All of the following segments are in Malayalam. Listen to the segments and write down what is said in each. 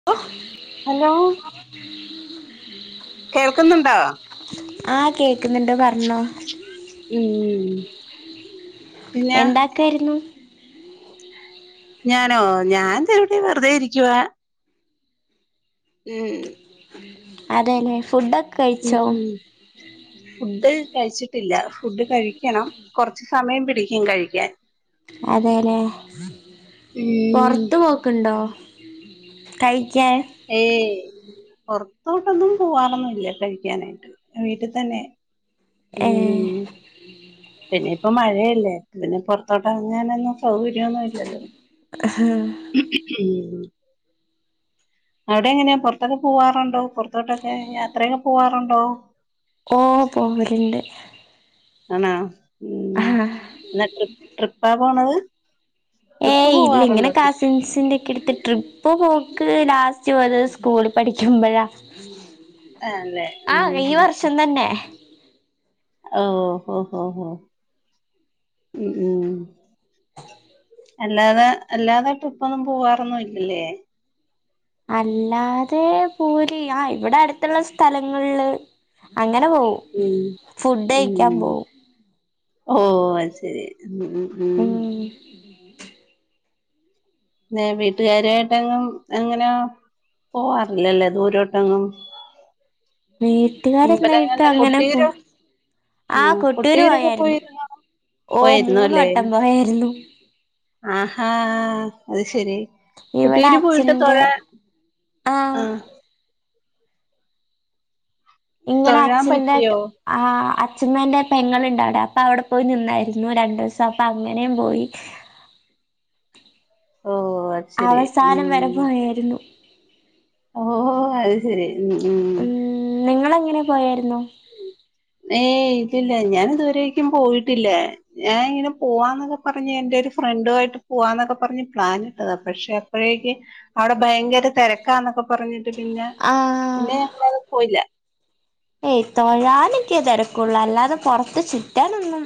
[unintelligible] ഹലോ കേൾക്കുന്നുണ്ടോ? ആഹ് കേക്കുന്നുണ്ട്. പറഞ്ഞോ [unintelligible] പിന്നെ എന്താക്കായിരുന്നു? ഞാനോ ഞാൻ ദാ ഇവിടെ വെറുതെ ഇരിക്കുവാ. [unintelligible] അതെല്ലെ ഫുഡൊക് ഉം ഉം. ഫുഡ് കഴിച്ചിട്ടില്ല ഫുഡ് കഴിക്കണം കൊറച്ച് സമയം പിടിക്കും കഴിക്ക്യാൻ. അതെല്ലേ. ഏഹ്. പൊറത്ത് പോക്ക്ണ്ടോ കയിക്ക്യാൻ? ഏയ്. പൊറത്തോട്ടൊന്നും പോവാറൊന്നും ഇല്ല കഴിക്കാനായിട്ട്, വീട്ടി തന്നെ. ഏഹ് ഉം. പിന്നെ ഇപ്പം മഴയല്ലേ പിന്നെ പൊറത്തോട്ട് എറങ്ങാനൊന്നും സൗകര്യൊന്നും ഇല്ലല്ലോ. അഹാ. [inaudible] അവിടെ എങ്ങനെയാ പുറത്തൊക്കെ പോവാറുണ്ടോ പുറത്തോട്ടൊക്കെ യാത്രയൊക്കെ പോവാറുണ്ടോ? ഓഹ് പോവല്ണ്ട്. ആണോ. ഉം ആഹ് എന്നാ ട്രി ട്രിപ്പാ പോണത്? ട്രിപ്പ് ഏയ് ഇല്ല ഇങ്ങനെ പോവാറുണ്ടോ ട്രി കസ് സിൻസിന്റെ ഒക്കെ അടുത്ത്. ട്രിപ്പ് പോക്ക് ലാസ്റ്റ് പോയത് സ്കൂൾ പഠിക്കുമ്പെഴാ. ആഹ് ല്ലേ, ഉം ഈ ഉം ഉം. വർഷം തന്നെ. ഓഹ് ഹോ ഹോ ഹൊ. ഉം ഉം. അല്ലാതെ, അല്ലാതെ ട്രിപ്പൊന്നും പോവാറൊന്നും ഇല്ലേ? അല്ലാതെ പോവല്, ആഹ് ഇവിടെ അടുത്തുള്ള സ്ഥലങ്ങളില് അങ്ങനെ പോവും. ഉം ഫുഡ് കഴിക്കാൻ ഉം. പോവും ഓഹ് അത്ശരി. ഉം. പിന്നെ വീട്ടുകാരു ആയിട്ടെങ്ങും എങ്ങനാ? പോവാറില്ലല്ലേ ദൂരോട്ടെങ്ങും? വീട്ടുകാരെന്നായിട്ട് അമ്പലങ്ങളില്. അങ്ങനെ പോ കൊട്ടിയൂര് ആ ആഹ്. കൊട്ടൂര് കൊട്ടിയൂരൊക്കെ പോയായിരുന്നു പോയിരുന്നൊ? ഓ മൂന്ന് പോയിരുന്നല്ലേ? വട്ടം പോയായിരുന്നു ആഹാ അത് ശെരി. ഇവിടെ കൊട്ടിയൂര് പോയിട്ട് അച്ഛന്റെ തൊഴാൻ, ആ ആഹ്. ഇങ്ങനെ തൊഴാൻ പറ്റിയോ അച്ഛന്റാക്ക് ആഹ് അച്ഛമ്മന്റെ പെങ്ങള്ണ്ടവിടെ. അപ്പൊ അവിടെ പോയി നിന്നായിരുന്നു രണ്ടു ദിവസം. അപ്പൊ അങ്ങനെയും പോയി. ഓഹ് അത്ശരി. ഉം. നേരുന്നു. ഓഹ് അത് ശെരി. ഉം ഉം. ഉം. നിങ്ങളെങ്ങനെ പോയായിരുന്നൊ? ഏയ് ഇല്ലില്ല. ഞാൻ ഇതുവരേക്കും പോയിട്ടില്ലാ. ഞാൻ ഇങ്ങനെ പോവാന്നൊക്കെ പറഞ്ഞ് എന്റെ ഒരു ഫ്രണ്ടു ആയിട്ട് പോവാന്നൊക്കെ പറഞ്ഞ് പ്ലാൻ ഇട്ടതാ പക്ഷെ അപ്പഴേക്ക് അവിടെ ഭയങ്കര തിരക്കാന്നൊക്കെ പറഞ്ഞിട്ട് പിന്നെ ആ പിന്നെ ഞങ്ങളത് പോയില്ല. ഏയ് തൊഴാനൊക്കെ തിരക്കുള്ളൂ. അല്ലാതെ പൊറത്ത് ചുറ്റാനൊന്നും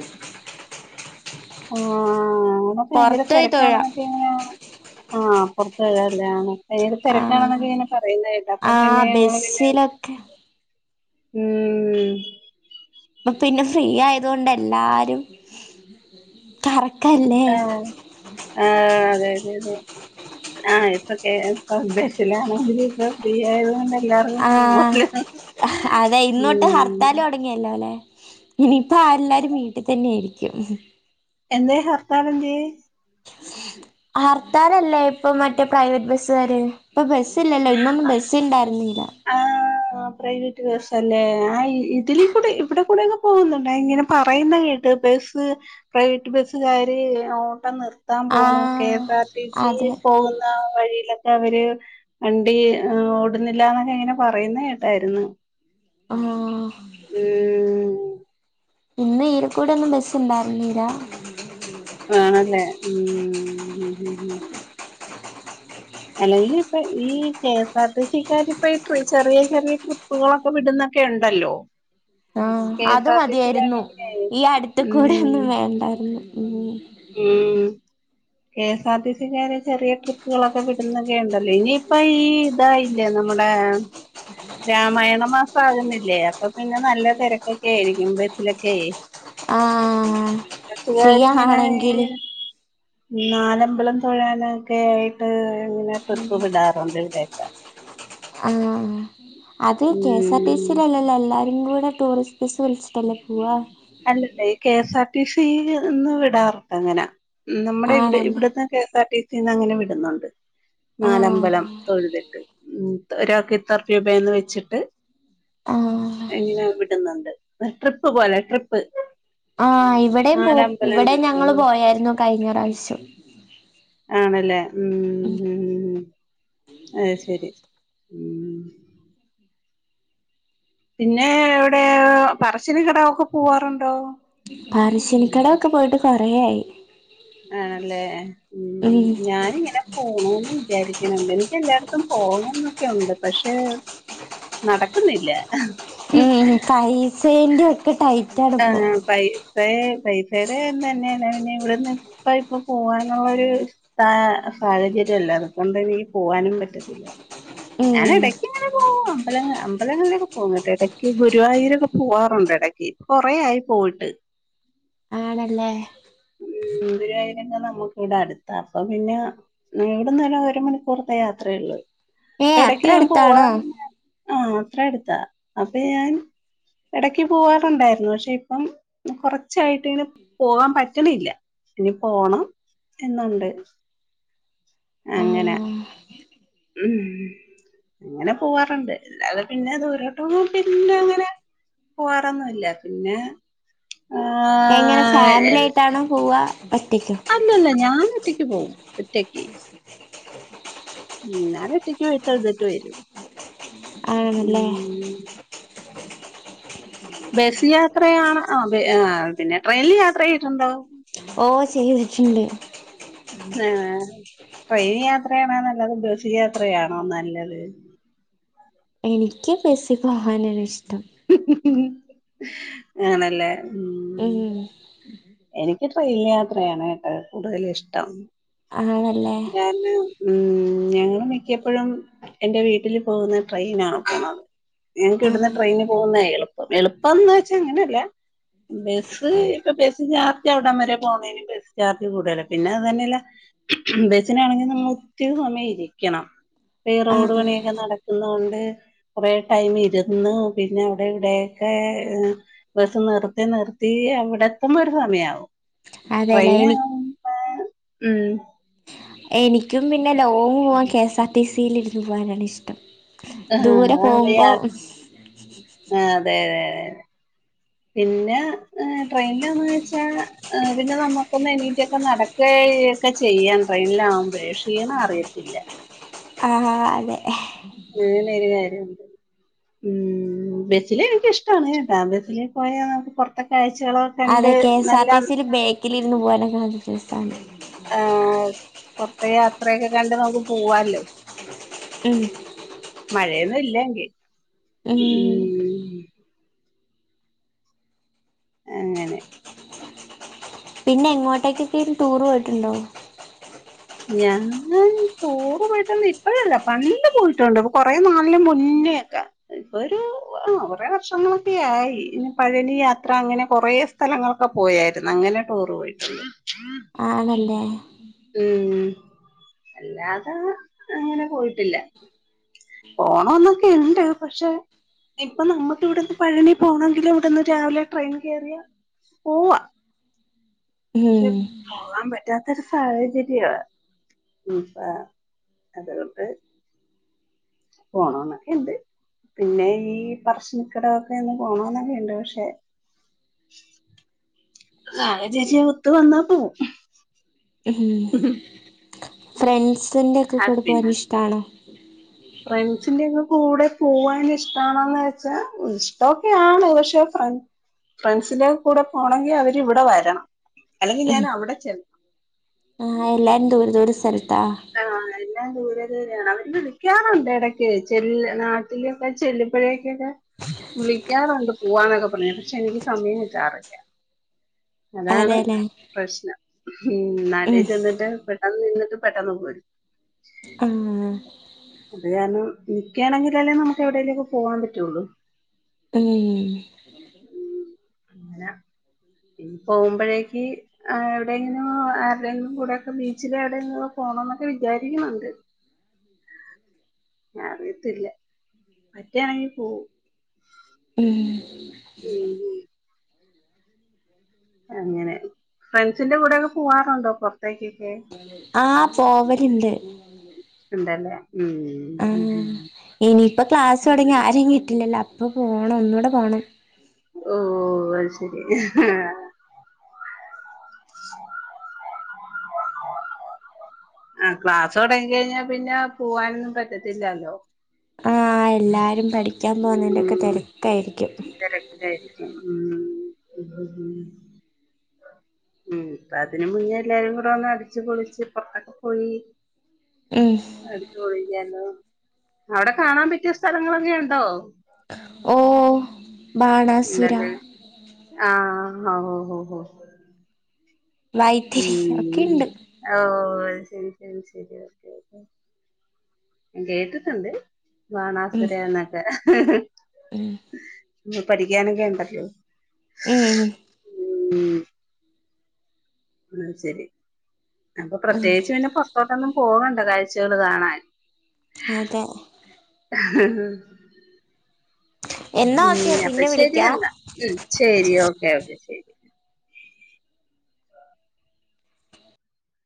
ആഹ് അവടെ ഭയങ്കര പുറത്ത് പോയി തൊഴാം തിരക്കാണെന്നൊക്കെ പിന്നെ, ആഹ് അപ്പറത്തെ അല്ലേ? ഭയങ്കര ആ തിരക്കാണെന്നൊക്കെ ഇങ്ങനെ പറയുന്ന കേട്ടു. ആ അപ്പൊ പിന്നെ ഞങ്ങള് പിന്നെ ബസ്സിലൊക്കെ ഊം. ഇപ്പൊ പിന്നെ ഫ്രീ ആയതൊണ്ട് എല്ലാരും, കറക്കല്ലേ. ആഹ് ആഹ് അതെ അതെ അതെ. ആഹ് ഇപ്പൊ കെ എസ് ആർ, ബസിലാണെങ്കിലും ഇപ്പ ഫ്രീ ആയത്കൊണ്ട് ആഹ് അതെ. ഇന്ന് തൊട്ട് ഉം ഹർത്താല് തൊട ങ്ങിയല്ലോല്ലേ? ഇനിയിപ്പ എല്ലാരും വീട്ടിൽ തന്നെ ഇരിക്കും. എന്തെ ഹർത്താലെന്തെ? ഹർത്താലല്ലേ ഇപ്പൊ മറ്റേ പ്രൈവറ്റ് ബസ്സുകാര്. ഇപ്പൊ ബസ് ത്തില്ലല്ലോ. ഇന്നൊന്നും ബസ് ഉണ്ടാരുന്നില്ല. ആഹ്. ആഹ് പ്രൈവറ്റ് ബസ്സല്ലേ. ആഹ് ഇതിലെ കൂടെ ഇവിടെ കൂടെ ഒക്കെ പോകുന്നുണ്ടെ. ഇങ്ങനെ പറയുന്ന കേ ത്ത് ബസ്, പ്രൈവറ്റ് ബസ് കാര് ഓട്ടം നിർ ത്താൻ പോണു. കെ ആഹ് എസ് ആർ ടി സി അതെ പോകുന്ന വഴിയിലൊ അവര് വണ്ടി ഓടുന്നില്ല എന്നൊക്കെ ഇങ്ങനെ പറയുന്ന കേട്ടായിരുന്നു. ഉം. ഉം. ഇന്ന് ഈലക്കൂടെ ഒന്നും ബസ്സ് ഇണ്ടാര്ന്നീലാ. വാണം ല്ലേ ഉം ഉം ഉം ഉം അല്ലെങ്കിലിപ്പ ഈ കെ എസ് ആർ ടി സിക്കാരിപ്പ ഈ ട്രി ചെറിയ ചെറിയ ട്രി പ്പ്കളൊക്കെ വിട്ന്നൊക്കെയുണ്ടല്ലോ. ആഹ് അത് മതിയായിര്ന്നു. ഈ അട്ത്ത്‌ ഉം കൂടൊന്നും വേണ്ടാര്ന്നു. ഉം ഉം കെ എസ് ആർ ടി സിക്കാര് ചെറിയ ട്രിപ്പുകളൊക്കെ വിട്ന്നൊക്കെയുണ്ടല്ലോ ഇനിയിപ്പ ഈ തായില്ലേ നമ്മടെ രാമായണ മാസാകുന്നില്ലേ അപ്പൊ പിന്നെ നല്ല തെരക്കൊക്കെയിരിക്കും ബസിലൊക്കെ. ആഹ് ബസ്സുകാരിങ്ങനെ ഫ്രീയാണെങ്കില്. നാലമ്പലം തൊഴാനൊക്കെ ആയിട്ട് ഇങ്ങനെ ട്രിപ്പ് വിടാറ്ണ്ട് ഇവിടെക്കെ. ആഹ് അത് K S R T C ഉം ഇല്ലല്ലല്ല എല്ലാരും കൂടെ ടൂറിസ്റ്റ് ബസ് വിളിച്ചിട്ടല്ലേ പോവ. അല്ലല്ല ഈ K S R T C ഇന്ന് വിടാറ്ണ്ടങ്ങനെ നമ്മടെ ഇവടെ ആണല്ലേ ഇവ്ട്ന്ന് K S R T C ന്നങ്ങനെ വിട്ന്നുണ്ട്. ആഹ് നാലമ്പലം തൊഴ്ത്ട്ട് ഉം ത ഒരാക്ക് ഇത്ര രൂപയെന്ന് വെച്ച്ട്ട്. ആഹ് എങ്ങനെ വിട്ന്ന്ണ്ട്. എഹ് ട്രിപ്പ് പോലെ ട്രിപ്പ്. ആഹ് ഇവടേം പോ നാലമ്പലം ഉണ്ട് ഇവടേം ഞങ്ങള് ആഹ് പോയായിര്ന്നു കഴിഞ്ഞ പ്രാവശ്യം. ആണ്ല്ലേ. ഉം അയ് ശെരി. ഉം പിന്നെ എവ്ടെ പറശ്ശേനി കടവൊക്കെ പോവാറുണ്ടോ? പറശ്ശേനിക്കടവൊക്കെ പോയിട്ട് കൊറെയായി. ആണല്ലേ ഉം ഞാനിങ്ങനെ പോണോന്ന് വിചാരിക്ക്ണ് എനിക്ക് എല്ലാട്ത്തും പോണന്നൊക്കെയുണ്ട് പക്ഷേ നടക്ക്ന്നില്ല. ഏഹ് കൈസേൻ്റൊക്കെ ടൈറ്റാണ്പ്പോ. പൈസെ പൈസെടെ തെന്നെണ് ഇഞങ്ങള് നിക്ക ഇപ്പോ പോവാന്ള്ളൊര്. പ്പാ സാഹചര്യ ല്ല. അതുകൊണ്ട് വീ പോവാനും പറ്റത്തില്ല. ഉം ഞാനെടയ്ക്ക് ങ്ങനെ പോവും. അമ്പലങ്ങ അമ്പലങ്ങളിലൊക്കെ പോകുന്നുട്ടോ എടക്ക് ഗുരുവായൂരൊക്കെ പോവാറുണ്ടെടക്ക്. കൊറേയായി പോയിട്ട്. ആണല്ലേ. ഉം ഗുരുവായൂര് പിന്നെ നമ്മുക്കിവട ട്ത്ത അപ്പൊ പിന്നെ ഇവിടന്ന് പിന്നെ ഒരു മണിക്കൂറത്തെ യാത്രേള്ളൂ. ഏഹ് അത്ര എടക്ക് ഞാൻ അടുത്താണോ പോവാറുണ്ട്. ആഹ് അത്രേ അട്ത്താ. അപ്പ ഞാൻ എടക്ക് പോവാറുണ്ടായി [unintelligible] പക്ഷെ ഇപ്പം കൊറച്ചായിട്ട് ങ്ങനെ പോവാം പറ്റ്ണില്ല. ഇനി പോണം. എന്നുണ്ട്. അങ്ങനെ ആഹ് ഉം അങ്ങനെ പോവാറ്ണ്ട് അല്ലാതെ പിന്നെ ദൂരോട്ടൊന്നും പിന്നെങ്ങനെ പോവാറൊന്നുല്ല പിന്നെ എങ്ങനെ ആഹ് ഫാമിലായിട്ടാണോ പോവാ ഒറ്റകൊ? അല്ല ല്ല ഞാൻ ഒറ്റക്ക് പോവും ഒറ്റക്ക്. ഉം ഞാൻ ഒറ്റയ്ക്ക് പോയിട്ട് ഒറ്റക് വെരും. ആണ്ല്ലേ. ഉം ബസ് യാത്രയാണ് പിന്നെ ട്രെയിനിൽ യാത്ര ചെയ്തിട്ടുണ്ടോ? ഓ ചെയ്തിട്ടുണ്ട്. ആ ട്രെയിൻ യാത്രയാണോ നല്ലത് ബസ് യാത്രയാണോ നല്ലത്. എനിക്ക് ബെസ്സി പോകാനാ ഇഷ്ടം. ആണല്ലേ. ഉം ഉം എനിക്ക് ട്രെയിൻ യാത്രയാണ് കൂടുതൽ ഇഷ്ടം. ആണല്ലേ. കാരണം മ് ഞങ്ങൾ മിക്കിയപ്പോഴും. എന്റെ വീട്ടിൽ പോകുന്ന ട്രെയിന ആണ് പോകുന്നത് ഞങ്ങക്ക് ഇടന്ന്. ആഹ് ട്രെയിനിന് പോകുന്ന എളുപ്പം എളുപ്പം എന്ന് വെച്ചാ അങ്ങനെയല്ല. ബസ് ഇപ്പൊ ബസ്സ് ചാർജ് അവിടൻ വരെ പോണന് ബസ്സ് ചാർജ് കൂടുലേ പിന്നെ അത് തന്നെയല്ല. ബേസിനാണെങ്കിൽ നമ്മൾ ഒത്തിരി സമയം ഇരിക്കണം. ഇപ്പ ഈ റോഡ് ആഹ് പണിയൊക്കെ നടക്കുന്ന കൊണ്ട് കുറേ ടൈം ഇരുന്നു. പിന്നെ അവിടെ ഇവിടെയൊക്കെ. ബസ് നിർത്തി നിർത്തി അവിടെ എത്തുമ്പോയെകും ഒരു സമയവും. അതെല്ലേ ട്രെയിന എനി ആവുമ ഉം. എനിക്കും പിന്നെ ലോങ് പോവാൻ കെ എസ് ആർ ടിസി ൽ ഇരുന്ന് പോവാനാണ് ഇഷ്ടം. ആഹ് ദൂരെ പോകുമ്പോൾ. ആ അതെ അതെ അതെ അതെ. പിന്നെ ട്രെയിനൽാന്നവേച്ചാൽ. പിന്നെ നമുക്കൊന്ന് എനീറ്റൊക്കെ നടക്കുക ഒക്കെ ചെയ്യാം ട്രെയിനൽാവകുമ്പോൾ ക്ഷീണം അറിയത്തില്ല. ആ അതെ. അങ്ങനെ ഒരു കാര്യംണ്ട്. ഉ ബസൽ എനക്ക് ഇഷ്ടമാണ് കേട്ടാ ബസിലേ പോയാൽ നമുക്ക് പുറതെ കാഴ്ചകളോ. അതെ കെ എസ് ആർ ടി സിയില് ബേക്കിൽിരുന്ന് പോകാനൊക്കെ രസാണ്. ഏ് പുറത്ത യാത്രയൊക്കെ കണ്ട നമുക്ക് പോവാല്ലോ. ഉം. മഴയൊന്നും ഇല്ല എങ്കിൽ ഉം ഉ. അങ്ങനെ. പിന്നെ എങ്ങോട്ടേക്കൊക്കെ ടൂർ പോയിട്ടുണ്ടോ? ഞാൻ ടൂറുമായിട്ടൊന്നും ഇപ്പഴല്ല പണ്ടല് പോയിട്ടുണ്ട് കൊറേ നാളന് മുന്നേൊക്കെ. ഇപ്പൊ ഒരു കുറെേ വർഷങ്ങളൊക്കെയ ആയി ഇന്ന പഴനി യാത്ര അങ്ങനെ കുറെ. സ്ഥലങ്ങളൊക്കെ പോയിായിരുന്നു അങ്ങനെ ടൂർ പോയിട്ടുള്ള. ആണല്ലേ. ഉം അല്ലാതെ അങ്ങനെ പോയിട്ടില്ല. പോണംന്നൊക്കെ ഇണ്ട് പക്ഷെ. ഇപ്പൊ നമ്മുക്ക് ഇവിടെന്ന് പഴനി പോണമെങ്കിലും ഇവിടെന്ന് രാവിലെ ട്രെയിൻ കയറിയാ പോവാ. ശ. ഉം പോകാൻ പറ്റാത്തൊരു സാഹചര്യമാണ്പ്പ അതുകൊണ്ട്. പോണം എന്നൊക്കെയുണ്ട്. പിന്നെ ഈ പറശ്നിക്കിടൊക്കെന്ന് പോണന്നൊക്കെുണ്ട് പക്ഷെ. സാഹചര്യവും ഒത്ത് വന്നാ പോവും. ഉ ഫ്രണ്ട്സിന്റെറെ ഒക്കെ കൂടെ പോവാൻ ഇഷ്ടമാണോ? ഫ്രണ്ട്സിന്റെറെ ഒക്കെ കൂടെ പോവൻ ഇഷ്ടണന്ന് വെച്ചാ ഇഷ്ടമൊക്കെയ ആണ് പക്ഷെ. ഫ്ര- ഫ്രണ്ട്സിനോക്കെ കൂടെ പോകണമെങ്കിൽ അവരിവിടെ വരണം അല്ലെങ്കിൽ ഉം ഞാൻ അവിടെ ചെല്ല ആഹ് എല്ലാവരും ദൂരെ ദൂരെ സ്ഥലത്താ ആഹ് എല്ലാം ദൂരെ ദൂരെയാണ് അവര് വിളിക്കാറുണ്ട് ഇടക്ക് ചെല്ലു നാട്ടില് ഞാൻ ചെല്ലുമ്പഴേക്കൊക്കെ വിളിക്കാറുണ്ട് പോവാന്നൊക്കെ പറഞ്ഞ് പക്ഷെ എനിക്ക് സമയം കിട്ടാറില്ല അതാണ് അതെല്ലേ പ്രശ്നം മ്മ് നാട്ടിൽ ഉം ചെന്നിട്ട് പെട്ടെന്ന് നിന്നിട്ട് പെട്ട പെട്ടെന്ന് പോരും ആഹ് അത് കാരണം നിക്കുകയാണെങ്കിൽ അല്ലേ നമുക്ക് എവിടെലൊക്കേ പോവാൻ പറ്റുള്ളൂ മ്മ് മ്മ് പിന്ന ഇനി പോകുമ്പോഴേക്ക് ആഹ് എവിടെയെങ്കിലും എവിടെങ്കിലും കൂടെക്കെ ബീച്ചിലെ എവിടെങ്കിലും പോണം എന്നൊക്കെ വിചാരിക്കുന്നുണ്ട് [inaudible] അറിയത്തില്ല പറ്റാണെങ്കി പോകും ഉം മ്മ് ഉം അങ്ങനെ ഫ്രണ്ട്സിന്റെ കൂടെക്കെ പോവാറുണ്ടോ പുറത്തേക്കൊക്കെ ആഹ് പോവലുണ്ട് ഉണ്ടല്ലേ മ്മ് ആഹ് ഇനിയിപ്പം ക്ലാസ് തുടങ്ങിയ ആരേയും കിട്ടില്ലല്ലോ അപ്പൊ പോണം ഒന്നൂടെ പോണം ഓഹ് അത് ശരി ആഹ് ക്ലാസ് തുടങ്ങി കഴിഞ്ഞാ പിന്നെ പോവാനൊന്നും പറ്റത്തില്ലല്ലോ ആഹ് എല്ലാരും പഠിക്കാൻ ഉം പോകുന്നതിന്റെയൊക്കെ തിരക്കായിരിക്കും തിരക്കിലായിരിക്കും മ്മ് മ്മ് അപ്പം അതിന് മുന്നേ എല്ലാരും കൂടെ ഒന്ന് അടിച്ച് പൊളിച്ച് പുറത്തൊക്കെ പോയി മ്മ് അടിച്ച് പൊളിക്കാല്ലോ അവിടെ കാണാൻ പറ്റിയ സ്ഥലങ്ങളൊക്കെ ഉണ്ടോ ഉം ഉണ്ടല്ലോ ആഹ് ഓഹോഹോ വൈത്തിരി മ്മ് ഒക്കെണ്ട് ഓഹ് അത് ശരി ശരി ശരി ഓക്കെ ഓക്കെ കേട്ടിട്ടുണ്ട് ഉം ബാണാസുരേ എന്നൊക്കേ ഉം പഠിക്കാനൊക്കെ ഉണ്ടല്ലോ മ്മ് മ്മ് അത് ശരി അപ്പൊ ഉം പ്രത്യേകിച്ച് പിന്നെ പുറത്തോട്ടൊന്നും പോകണ്ട കാഴ്ചകൾ കാണാൻ അതെ ആ എന്നാ ഓക്കെ മ്മ് അപ്പൊ പിന്നെ ശരി വിളിക്കാ എന്നാൽ മ്മ് ശരി ഓക്കേ ഓക്കെ ശരി